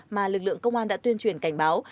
mà lực lượng công an đã tuyên truyền cảnh báo